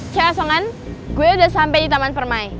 cie asongan gue udah sampe di taman permai